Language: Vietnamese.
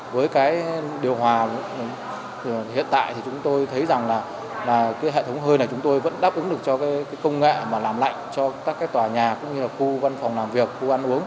với cái điều hòa hiện tại thì chúng tôi thấy rằng là cái hệ thống hơi này chúng tôi vẫn đáp ứng được cho công nghệ mà làm lạnh cho các tòa nhà cũng như là khu văn phòng làm việc khu ăn uống